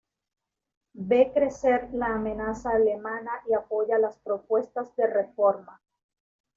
Ve crecer la amenaza alemana y apoya las propuestas de reforma.